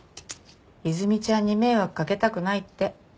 和泉ちゃんに迷惑掛けたくないって。